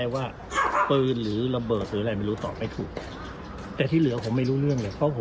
ฝากเพื่อนบ้านเล่าค่ะ